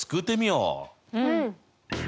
うん！